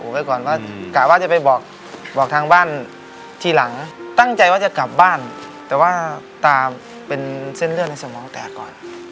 ไว้ก่อนว่ากะว่าจะไปบอกทางบ้านทีหลังตั้งใจว่าจะกลับบ้านแต่ว่าตาเป็นเส้นเลือดในสมองแตกก่อน